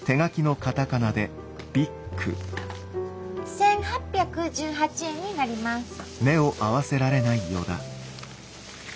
１，８１８円になります。